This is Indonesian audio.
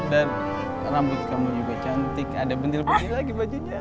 dan rambut kamu juga cantik ada bentil bentil lagi bajunya